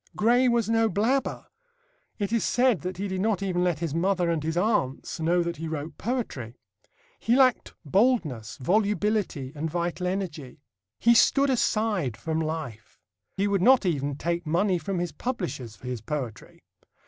Gray was no blabber. It is said that he did not even let his mother and his aunts know that he wrote poetry. He lacked boldness, volubility and vital energy. He stood aside from life. He would not even take money from his publishers for his poetry.